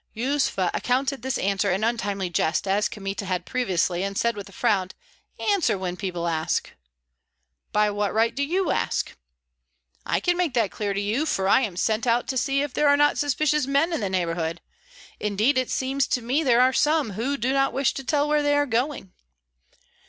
Yuzva accounted this answer an untimely jest, as Kmita had previously, and said with a frown, "Answer when people ask!" "By what right do you ask?" "I can make that clear to you, for I am sent out to see if there are not suspicious men in the neighborhood. Indeed it seems to me there are some, who do not wish to tell where they are going."